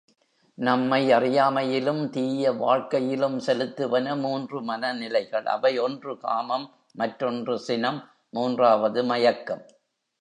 நம்மை அறியாமையிலும், தீய வாழ்க்கையிலும் செலுத்துவன மூன்று மனநிலைகள் அவை ஒன்று காமம், மற்றொன்று சினம், மூன்றாவது மயக்கம்.